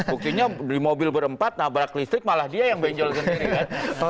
buktinya di mobil berempat nabrak listrik malah dia yang benjol sendiri kan